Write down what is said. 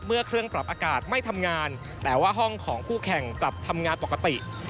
เครื่องปรับอากาศไม่ทำงานแต่ว่าห้องของคู่แข่งกลับทำงานปกติ